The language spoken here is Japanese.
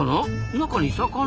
中に魚？